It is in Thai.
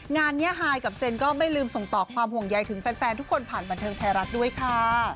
งานนี้ฮายกับเซนก็ไม่ลืมส่งต่อความห่วงใยถึงแฟนทุกคนผ่านบันเทิงไทยรัฐด้วยค่ะ